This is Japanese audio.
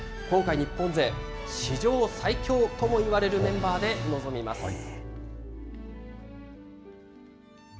今回、日本勢、史上最強ともいわれるメンバーで臨みます。